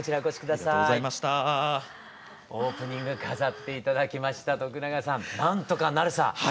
オープニング飾って頂きました徳永さん「なんとかなるさ」